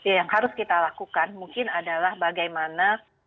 ya yang harus kita lakukan mungkin adalah bagaimana